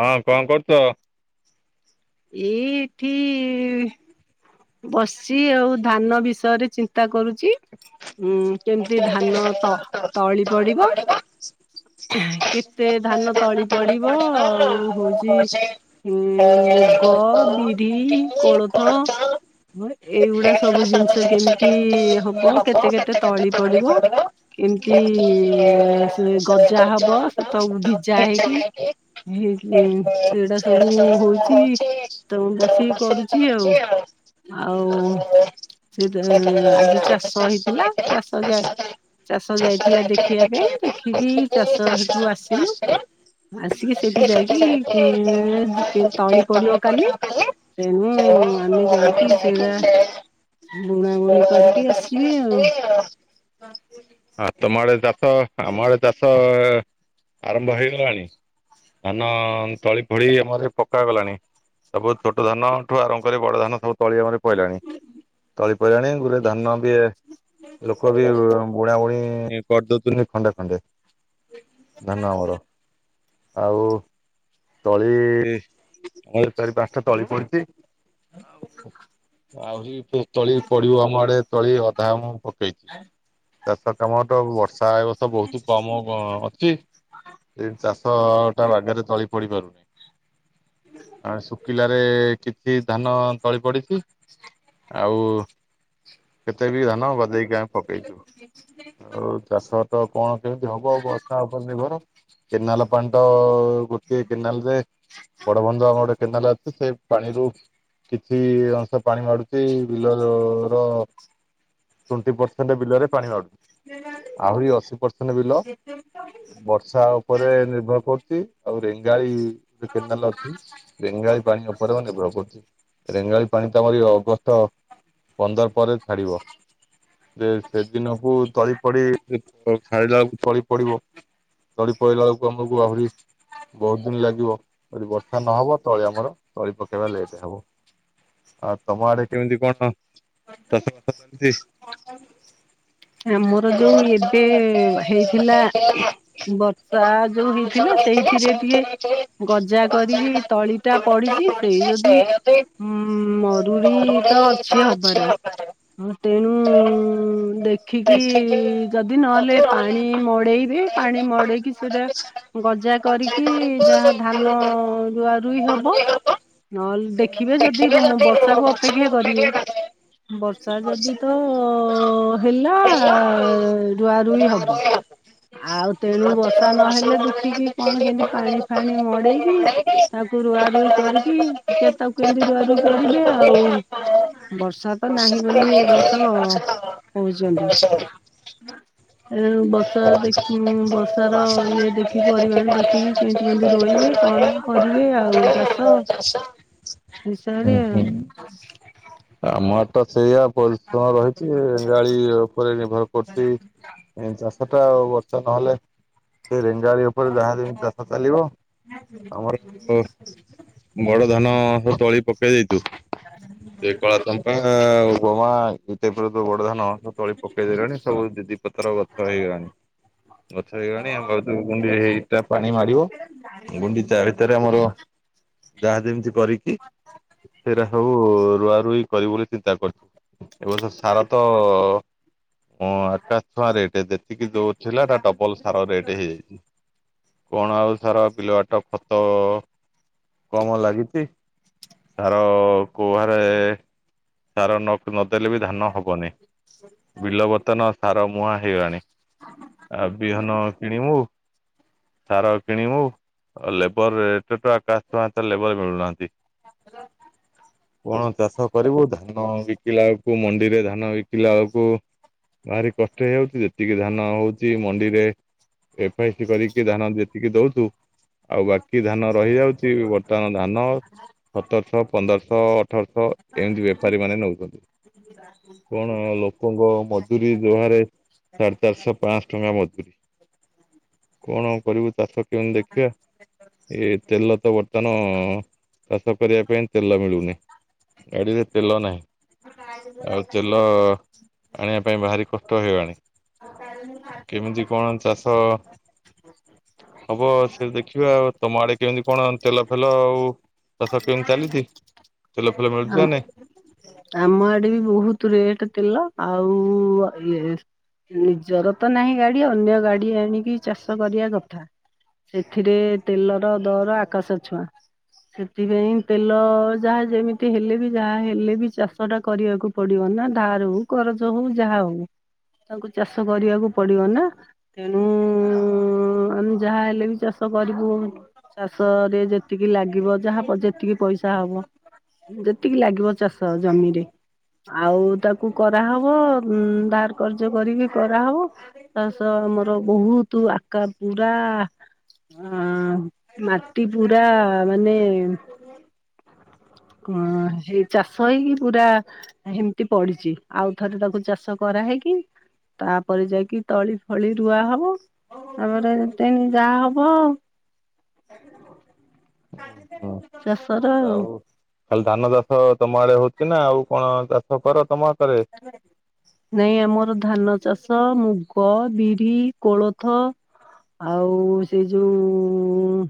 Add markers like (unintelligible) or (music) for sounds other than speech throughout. ହଁ କଣ କରୁଛ? ଏ-ଇ-ଇ-ଠି ବସିଛି ଆଉ ଧାନ ବିଷୟରେ ଚିନ୍ତା କରୁଛି। ହୁଁ କେମିତି ଧାନ ତ ତଳି ପଡିବ। କେତେ ଧାନ ତଳି ପଡିବ ଆଉ ହଉଛି ହୁଁ ଏଇଗୁଡା ମୁଗ, ବିରି, କୋଳଥ ଏଇଗୁଡା ସବୁ ଜିନିଷ କେମିତି ଇ ହବ କେତେ କେତେ ତଳି ପଡିବ। କେମିତି ଇ ଇ ସେ ଗଜା ହବ ସେ ତବ ଭିଜା ହେଇକି। ହେଏକି ସେଇଟା ସବୁ ହଉଛି। ତ ମୁଁ ବସିକି କରୁଛି ଆଉ ଆଉ ସେଠି ଆଜି ଚାଷ ହେଇଥିଲା ଚାଷ ଯାଏ ଚାଷ ଯାଇଥିଲା ଦେଖିବା ପାଇଁ ଦେଖିକି ଇ ଚାଷ ସେଠୁ ଆସିଲୁ। ଆସିକି ସେଇଠି ଆସି ସେଠି ଯାଇକି ଇ ଉମ ଉମ ଉ ଯାଇକି ତଳି ପଡିବ ତଳେ କାଲି। ପଡିଆ କଲେ ତେଣୁ ଆମେ ଯାଇକି ସେଇଟା ବୁଣା ବୁଣି କରିକି ଆସିବି ଆଉ। ହଁ ତମ ଆଡ଼େ ଚାଷ ଆମ ଆଡ଼େ ଚାଷ ଏ ଆରମ୍ଭ ହେଇଗଲାଣି ଧାନ ଅ ତଳି ପଡି ଆମର ପକା ଗଲାଣି। ତ ବହୁତ ଛୋଟ ଧାନ ଠୁ ଆରମ୍ଭ କରି ବଡ ଧାନ ସବୁ ତଳି ଆମର ପଇଲାଣି। ତଳି ପଇଲାଣି ଗୁରେ ଧାନ ସିଏ ଲୋକ ବି ବୁଣା ବୁଣି କରିଦଉଛନ୍ତିି ଖଣ୍ଡେ ଖଣ୍ଡେ। ହୁଁ। ଧାନ ଆମର ଆଉ ତଳି ଆଉ ଚାରି ପାଞ୍ଚଟା ତଳି ପଡିଛି। ଆହୁରି ଫିର ତଳି ପଡିବ ଆମ ଆଡେ ତଳି ଅଧା ଆମ ପ ହେଇଛି ଚାଷ କାମ ତ ଆଉ ବର୍ଷା ଏ ବର୍ଷ ବହୁତ କମ ଅଛି। ସେ ଚାଷ ଅ ଟା ବାଗରେ ତଳି ପଡି ପାରୁନି। ଆ ଶୁଖିଲାରେ ଏ କିଛି ଧାନ ତଳି ପଡ଼ିଛି ଆଉ କେତେ ବି ଧାନ ଗଦେଇକି ଆମ ପ ଇଚୁ ଆଉ ଚାଷ ତ କଣ କେମିତି ହେବ ବର୍ଷା (unintelligible) କେନାଲ ପାଣି ତ ଗୋଟିଏ କେନାଲରେ ବଡଭଞ୍ଜ ଆମର ଗୋଟେ କେନାଲ ଅଛି ସେ ପାଣିରୁ କିଛି ଅଂଶ ପାଣି ମାଡୁଛି ବିଲ ର ର ଟ୍ୱେଣ୍ଟି ପରସେଣ୍ଟ ବିଲରେ ପାଣି ମାଡୁଛି। ଆହୁରି ଅଶୀ ପରସେଣ୍ଟ ବିଲ (inaudible) ବର୍ଷା ଉପରେ ନିର୍ଭର କରୁଛି ଆଉ ରେଙ୍ଗାଳି ଯଉ କେନାଲ ଅଛି ରେଙ୍ଗାଳି ପାଣି ଉପରେ ମାନେ ନିର୍ଭର କରୁଛି ରେଙ୍ଗାଳି ପାଣି ତ ଆମର ଏଇ ଅବସ୍ଥା ପନ୍ଦର ପରେ ଛାଡ଼ିବ। ଯେ ସେଦିନକୁ ତଳି ପଡ଼ି ଇ ଖାଇିଲା ବେଳକୁ ତଳି ପଡ଼ିବ। ତଡ଼ି ପଇଲା ବେଳକୁ ଆମକୁ ଆହୁରି ବହୁତ୍ ଦିନ ଲାଗିବ ଯଦି ବର୍ଷା ନହବ ତଳି ଆମର ତଳି ପକେଇବା ଲେଟ୍ ହବ। ଆଉ ତମ ଆଡ଼େ କେମିତି କଣ ଚାଷ ବାସ କେମିତି ଆମର ଯୋଉ ଏବେ ହେଇଥିଲା (unintelligible) ବର୍ଷା ଯୋଉ ହେଇଥିଲା ସେଇଥିରେ ଟିକେ ଗଜା କରିକି ତଳି ଟା ପଡ଼ିଚି ସେଇ ଯଦି ଚାଲିଛି। ଉଁ ମରୁଡ଼ିତ ଅଛି ହବାର ହଁ ତେଣୁ ଦେଖିକି ଯଦି ନହେଲେ ପାଣି ମ ଡ଼େଇବେ ଯଦି ପାଣି ମଡ଼େଇକି ବର୍ଷାକୁ ସେଟା ଗଜା ଅପେକ୍ଷା କରିକି ଯାହା ଧାନ ରୁଆ ରୁଇ ହବ ନହେଲେ ଦେଖିବେ ଯଦି ବର୍ଷାକୁ ଅପେକ୍ଷା କରିବେ ବର୍ଷା ଯଦିତ ହେଲା ରୁଆ ରୁଇ ହବ। ଆଉ ତେଣୁ ବର୍ଷା ନହେଲେ ଦେଖିକି କଣ କେମିତି ପାଣି ଫାଣି ମଡ଼େଇକି ତାକୁ ରୁଆ ରୁଇ କରିକି ଟା ତାକୁ କେମିତି ରୁଆ ରୁଇ କରିବେ ଆଉ ବର୍ଷା ତ ନାହିଁ ବୋଲି ଏବର୍ଷ କହୁଚନ୍ତି ଏ ବର୍ଷା ଦେଖ ବର୍ଷାର ଇଏ ଦେଖି ପରିମାଣ ଦେଖିକି କେମିତି କେମିତି ରହିବେ କଣ କରିବେ ଆଉ ଚାଷ ଚାଷ ହିସାବରେ ଆମରତ ସେଇଆ ପରିଶ୍ରମ ରହିଚି ଗାଳି ଉପରେ ନିର୍ଭର କରୁଚି ଚାଷଟା ବର୍ଷା ନହେଲେ ସେରେ ଗାଳି ଉପରେ ଯାହା ଯେମିତି ଚାଷ ଚାଲିବ ଆମର ବଡ଼ ଧାନ ସେତଳି ପକେଇ ଦେଇଚୁ ସେ କଳା ଚମ୍ପା ଗମା ସେପଟେତ ବଡ଼ ଧାନ ସେତଳି ପକେଇଦଲେଣି ସବୁ ଦିଦି ପତର ଗଛ ହେଇଗଲାଣି। ଗଛ ହେଇଗଲାଣି ଆମର ଯୋଉ ଗୁଣ୍ଡି ହେଇଟା ପାଣି ମାରିବ ଗୁଣ୍ଡି ଚା ସେଥିରେ ଆମର ଯାହା ଯେମିତି କରିକି ସେରା ସବୁ ରୁଆ ରୁଇ କରିବି ବୋଲି ଚିନ୍ତା କରିଚୁ ଏବର୍ଷ ସାରତ ଓଁ ଆକାଶଛୁଆଁ ରେଟ୍ ଯେତିକି ଦୋଉଥିଲା ତାଡବଲ ସାର ରେଟ୍ ହେଇଯାଇଚି। କଣ ଆଉ ସାର ବିଲ ବାଟ ଖତ କମ ଲାଗିଚି ସାର କୋ ପ୍ରାୟେ ସାର ନ ନଦେଲେବି ଧାନ ହବନି ବିଲ ବର୍ତ୍ତନ ସାର ମୁହାଁ ହେଇଗଲାଣି ଆ ବିହନ କିଣିବୁ ସାର କିଣିବୁ ଆଉ ଲେବର ରେଟତ ଆକାଶଛୁଆଁ ଲେବର ମିଳୁନାହାନ୍ତି। କଣ ଚାଷ କରିବୁ ଧା ଧାନ ବିକିଲା ବେଳକୁ ମଣ୍ଡିରେ ଧାନ ବିକିଲା ବେଳକୁ ଭାରି କଷ୍ଟ ହେଇ ଯାଉଚି ଯେତିକି ଧାନ ହଉଚି ମଣ୍ଡିରେ ଏଫଇସ କରିକି ଧାନ ଯେତିକି ଦଉଚୁ ଆଉ ବା କି ଧାନ ରହିଯାଉଚି ବର୍ତ୍ତମାନ ଧାନ ସତରଶହ ପନ୍ଦରଶହ ଅଠରଶହ ଏମିତି ବେପାରୀ ମାନେ ନେଉଚନ୍ତି କ କଣ ଲୋକଙ୍କ ମଜୁରୀ ଯହାରେ ସାଢେ ଚାରିଶହ ପାଞ୍ଚଶ ଟଙ୍କା ମଜୁରୀ କଣ କରିବୁ ଚାଷ କେମିତି ଦେଖିବା ଏ ତେଲତ ବର୍ତ୍ତମାନ ଚାଷ କରିବା ପାଇଁ ତେଲ ମିଳୁନି ଏବେବି ତେଲ ନାହିଁ, ଆଉ ତେଲ ଆଣିବା ପାଇଁ ଭାରି କଷ୍ଟ ହେଇଗଣି। କେମିତି କଣ ଚାଷ ଅଁ- ଅ ହବ ସେ ଦେଖିବା ଆଉ ତମ ଆଡେ କେମିତି କଣ ତେଲ ଫେଲ ଆଉ। ଚାଷ କେମିତି ଚାଲିଛି, ତେଲ ଫୁଲ ଆଉ। ମିଳୁଛି ନାଇଁ? ଆମ ଆଡେ ବି ବୋହୁତ୍ ରେଟେ ତେଲ ଆଉ-ଉ-ଉ ଇଏ ନିଜର ତ ନାହିଁ ଗାଡି ଅନ୍ୟ ଗାଡି ଆଣିକି ଚାଷ କରିବା କଥା। ସେଥିରେ ତେଲର ଦର ଆକାଶ ଛୁଆଁ। ସେଥିପାଇଁ ତେଲ ଯାହା ଯେମିତି ହେଲେ ବି ଯାହା ହେଲେ ବି ଚାଷଟା କରିବାକୁ ପଡ଼ିବ ନା ଧାରକୁ। କରଜ ହଉ ଯାହା ହଉ ତାଙ୍କୁ ଚାଷ କରିବାକୁ ପଡିବ ନା। ତେଣୁ -ଉଁ- ଉଁ -ଉ -ଉ ଆମେ ଯାହା ହେଲେ ବି ଚାଷ କରିବୁ। ଚାଷରେ ଯେତିକି ଲାଗିବ ଯାହା ଯେତିକି ପଇସା ହବ। ଯେତିକି ଲାଗିବ ଚାଷ ଜମିରେ। ଆଉ ତାକୁ କରାହବ ଧାର କର୍ ଜ କରିକି କରାହବ। ତା ସହ ଆମର ବୋହୁତୁ ଆକାର ପୁରାଆଁ ଅଁ- ଅ-ମାଟି ପୁରା ମାନେ (inaudible) କଁ ସେଇ ଚାଷ ହେଇକି ପୁରା ଏମିତି ପଡିଛି, ଆଉ ଥରେ ତାକୁ ଚାଷ କରାହେଇକି ତାପରେ ଯାଇକି ତଳି ଫଳି ରୁଆ ହବ, ତାପରେ ଯାହା ହବ। ନାଇଁ? ଆଉ ଖାଲି ଧାନ ଚାଷ ତମ ଆଡେ ହୋଉଛି ନା, ଆଉ କଣ ଚାଷ କର ତମ ସେକରେ। (unintelligible) ନାଇଁ ଆମର ଧାନ ଚାଷ, ମୁଗ, ବିରି, କୋଳଥ। ଆଉ, ସେ ଯୋଉଁ-ଉଁ-ଉ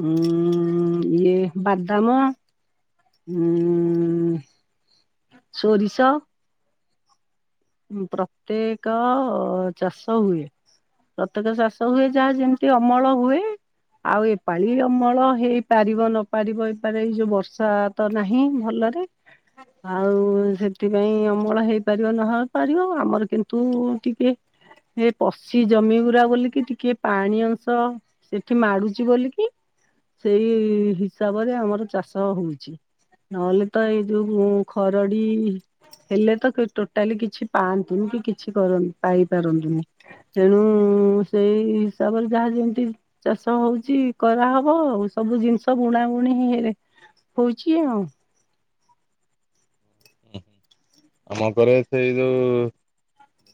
ହୁଁ -ଉଁ -ଉଁ ଇଏ ବାଦାମ। ହୁଁ -ଉଁ -ଉଁ ସୋରିଷ। ପ୍ରତ୍ୟେକ ଚାଷ ହୁଏ। ପ୍ରତ୍ୟେକ ଚାଷ ହୁଏ, ଯାହା ଯେମିତି ଅମଳ ହୁଏ। ଆଉ ଏପାଳି ଅମଳ ହେଇପାରିବ ନପାରିବ, ଏପାରେ ଏଇ ଯୋଉ ବର୍ଷା ତ ନାହିଁ ଭଲରେ, ଆଉ ସେଥିପାଇଁ ଅମଳ ହେଇପାରିବ ନହ ପାରିବ, ଆମର କିନ୍ତୁ ଟିକେ ଏ ପଶି ଜମି ଗୁୁରା ବୋଲିକି ଟିକେ ପାଣି ଅଂଶ ସେଠି ମାଡୁଛି ବୋଲିକି, ସେଇ ହିସାବରେ ଆମର ଚାଷ ହୋଉଛି। ନହେଲେ ତ ଏଇ ଯୋଉ ଖରଡି ହେଲେ ତ ଟୋଟାଲି କିଛି। ପାଆନ୍ତୁନି କି କିଛି କରନ୍ତ୍ ପାଇପାରନ୍ତିନି। ତେଣୁ ଉଁ- ଉଁ ସେଇ ହିସାବରେ ଯାହା ଯେମିତି ଚାଷ ହଉଛି କରାହବ ଆଉ ସବୁ ଜିନିଷ ବୁଣା ବୁଣି ହେରେ ହୋଉଚି ଆଉ। ହୁଁ- ହୁଁ ଆମ ଘରେ ସେଇ ଯୋଉ-ଉ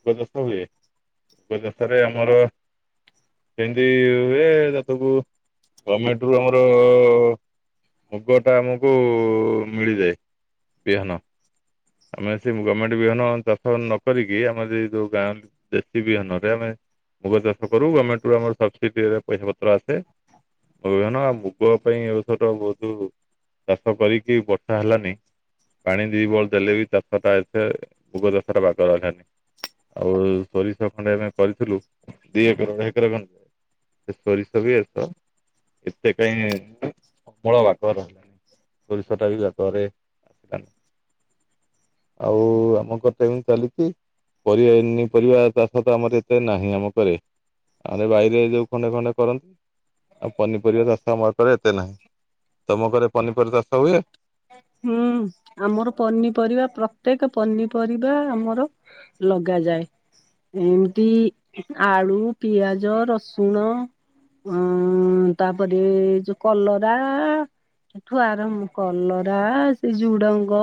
କପା ଚାଶ ହୁଏ, କପା ଚାଷରେ ଆମର। ସେମିତି ହୁଏ ତାକୁ ଗମମେଣ୍ଟ୍ ରୁ ଆମର-ଅଁ-ଅଁ ମୁଗଟା ଆମକୁ ଉ- ଉ-ଉ ମିଳିଯାଏ, ବିହନ। ଆମେ ସେ ଗମେଣ୍ଟ ବିହନ ଚାଷ ନ କରିକି, ଆମର ଏଇ ଯୋଉ ଗାଁ ଦେଶୀ ବିହନରେ ଆମେ ମୁଗ ଚାଷ କରୁ ଗମେଣ୍ଟ୍ ରୁ ଆମର ସବସିଡ଼ିରେ ପଇସା ପତ୍ର ଆସେ। ବିହନ ଆଉ ମୁଗ ପାଇଁ ଏଥର ବୋହୁତୁ। ଚାଷ କରିକି ବର୍ଷା ହେଲାନି। ପାଣି ଦି ବଳ୍ କାଲି ବି ଚାଷ ଟା ଏତେ ଭୋଗ (unintelligible) ବାଗିଲାନି। ଆଉ ସୋରିଷ ଖଣ୍ଡେ ଆମେ କରିଥିଲୁ, ଦି ଏକର ଏକର ଖଣ୍ଡେ। ସେ ସୋରିଷ ବି ଏତେ ଏତେ କହିଁ ଅମଳ ବାପର ହେଲାନି। ସୋରିଷ ଟା ବି ବର୍ଷାରେ ଆଉ ଆମ ଘରତ ଏମିତି ଚାଲିଚି। ପରିବା ଏନିୟ ପରିବା ଚାଷ ତ ଆମର ଏତେ ନାହିଁ ଆମ ପରେ। ଆମ ବାଇରେ ଯୋଉ ଖଣ୍ଡେ ଖଣ୍ଡେ କରନ୍ତି। ଆଉ ପନିପରିବା ଚାଷ ଆମରେ ଏତେ ନାହିଁ। ତମ ଘରେ ପନିପରିବା ଚାଷ ହୁଏ? ହୁଁ--ଆମର ପନିପରିବା ପ୍ରତ୍ୟେକ ପନିପରିବା ଆମର ଲଗାଯାଏ। ଏମତି ଆଳୁ, ପିଆଜ, ରସୁଣ। ଅଁ ତାପରେ ଯୋଉ କଲରା। ସେଠୁ ଆରମ୍ କଲ ରା ସେଇ ଝୁଡଙ୍ଗ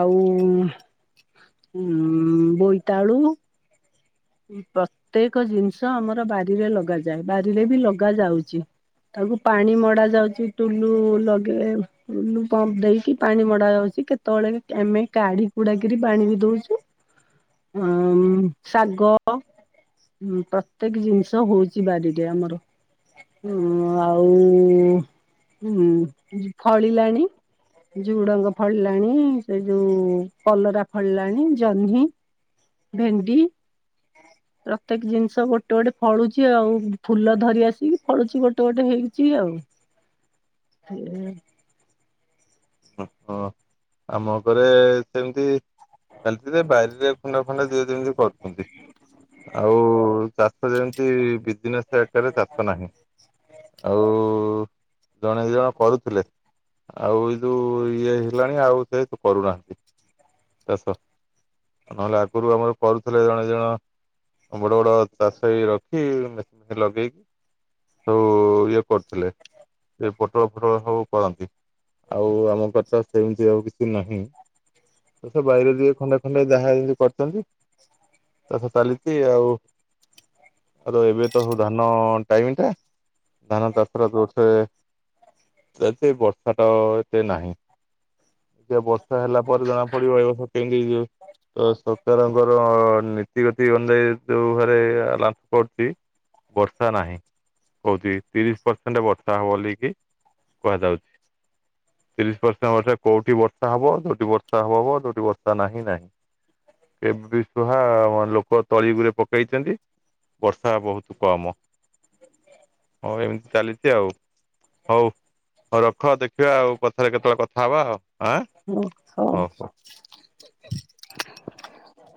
ଆଉ ଉଁ ବୋଇତାଳୁ। ପ୍ରତ୍ୟେକ ଜିନିଷ ଆମର ବାରିରେ ଲଗାଯାଏ। ବାରିରେ ବି ଲଗା ଯାଉଚି। ତାକୁ ପାଣି ମଡା ଯାଉଚି ଟୁଲୁ ଲଗେଇଲେ ପମ୍ପ ଦେଇକି ପାଣି ମଡା ହୋଉଚି କେ ତଳେ କେ ଆମେ କାଢି କୁଡାକିରି ପାଣି ବି ଦୋଉଚୁ। ଅଁ ଶା ଗ ପ୍ରତ୍ୟେକ ଜିନିଷ ହୋଉଛି ବାଡ଼ିରେ ଆମର। ଉଁ ଆଉ ଫଳିଲାଣି। ଝୁଡଙ୍ଗ ଫଳିଲାଣି ସେ ଯୋଉ କଲରା ଫଳିଲାଣି, ଜହ୍ନି। ଭେଣ୍ଡି। (inaudible) ପ୍ରତ୍ୟେକ ଜିନିଷ ଗୋଟେ ଗୋଟେ ଫଳୁଚି ଆଉ ଫୁଲ ଧରି ଆସିକି ଫଳୁଚି ଗୋଟେ ଗୋଟେ ହେଇଚି ଆଉ। (inaudible) ହୁଁ। ଅଁ ଆମ ଉପରେ ସେମିତି (unintelligible) ବାରିରେ ଖୁଣ୍ଡା ଫୁଣ୍ଡା ଦିଏ ଯେମିତି କରୁଚନ୍ତି। ଆଉ ଚାଷ ଯେମିତି ବିଜନେସ୍ ଆକାରରେ ଚାଷ ନାହିଁ। ଆଉ ଜଣେ ଦି ଜଣ କରୁଥିଲେ ଆଉ ଏ ଯେଉଁ ଇଏ ହେଲାଣି ଆଉ ସେ ତୁ କରୁନାହାନ୍ତି। ଚାଷ ନହେଲେ ଆଗରୁ ଆମର କରୁଥିଲେ ଜଣେ ଦି ଜଣ। ବଡ ବଡ ଚାଷ ହେଇ ରଖି ମେସି ମେସି ଲଗେଇକି ସବୁ ଇଏ କରୁଥିଲେ। ସେ ପୋଟଳ ଫୋଟଳ ସବୁଉଁ କରନ୍ତି। ଆଉ ଆମ (unintelligible) ସେମିତି ଆଉ କିଛି ନାହିଁ। ତ ସେ ବାଇରେ ଯିଏ ଖଣ୍ଡେ ଖଣ୍ଡେ ଯାହା ଯେମିତି କରିଚନ୍ତି। ଚାଷ ଚାଲିଚି ଆଉ। ତାପରେ ଏବେ ତ ସବୁ ଧାନ ଟାଇମ ଟା। ଧାନ ଚାଷ ର ଯୋଉଥିରେ ଏତ ବର୍ଷା ଟା ଏତେ ନାହିଁ। ଏ ବର୍ଷା ହେଲା ପରେ ଜଣା ପଡିବ ଏ ବର୍ଷ କେମିତି ହେଇଯିବ। ତ ସରକାରଙ୍କର ନୀତି ଗତି ଅନୁଯାଇ ଯୋଉ ଘରେ (unintelligible) ପଡୁଚି। ବର୍ଷା ନାହିଁ। କହୁଚି ତିରିଶ ପରସେଣ୍ଟ ବର୍ଷା ହବ ବୋଲି କି କୁହାଯାଉଚି। ତିରିଶ ପରସେଣ୍ଟ ବର୍ଷ କୋଉଠି ବର୍ଷା ହବ ଯୋଉଠି ବର୍ଷା ହବ ହବ ଯୋଉଠି ବର୍ଷା ନାହିଁ ନାହିଁ। ଏବେ କହ ମାନେ ଲୋକ ତଳିଗୁରେ ପକେଇଚନ୍ତି। ବର୍ଷା ବୋହୁତୁ କମ ହଁ ଏମତି ଚାଲିଚି ଆଉ। ହୋଉ ହୋଉ ରଖ ଦେଖିବା ଆଉ ପଛରେ କେତେବେଳେ କଥା ହବା ଆଉ ଆଁ। ମୁଁ ଥରେ ହଉ।